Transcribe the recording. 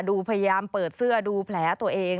พยายามเปิดเสื้อดูแผลตัวเอง